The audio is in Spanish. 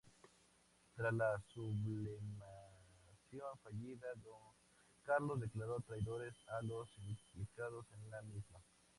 Tras la sublevación fallida, Don Carlos declaró traidores a los implicados en la misma.